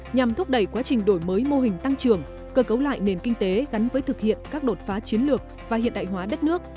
nhằm thúc đẩy quá trình đổi mới mô hình tăng trưởng cơ cấu lại nền kinh tế gắn với thực hiện các đột phá chiến lược và hiện đại hóa đất nước